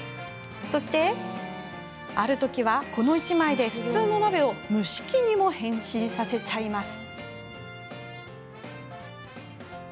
そしてある時は、この１枚で普通の鍋を蒸し器にも変身させちゃいます。